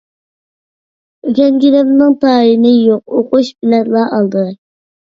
ئۆگەنگىنىمنىڭ تايىنى يوق، ئوقۇش بىلەنلا ئالدىراش.